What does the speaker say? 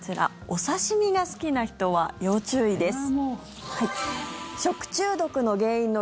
お刺し身が好きな人は要注意です。